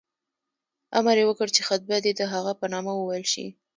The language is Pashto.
امر یې وکړ چې خطبه دې د هغه په نامه وویل شي.